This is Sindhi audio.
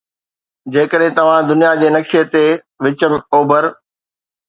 جيڪڏهن توهان دنيا جي نقشي تي وچ اوڀر